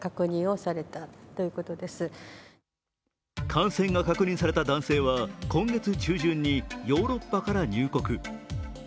感染が確認された男性は今月中旬にヨーロッパから入国。